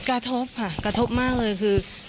กระทบค่ะกระทบมากเลยคือ